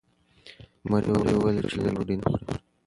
مور یې وویل چې لور مې نن ډوډۍ نه خوري.